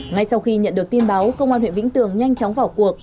ngay sau khi nhận được tin báo công an huyện vĩnh tường nhanh chóng vào cuộc